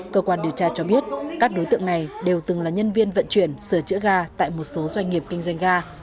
cơ quan điều tra cho biết các đối tượng này đều từng là nhân viên vận chuyển sửa chữa ga tại một số doanh nghiệp kinh doanh ga